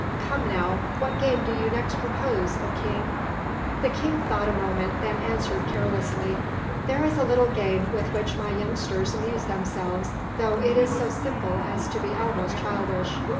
Come, now, what game do you next propose, O King?" The king thought a moment, then answered carelessly, "There is a little game with which my youngsters amuse themselves, though it is so simple as to be almost childish.